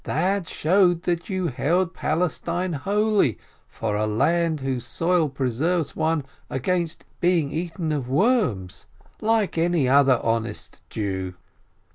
That showed that you held Palestine holy, for a land whose soil preserves one against being eaten of worms, like any other honest Jew."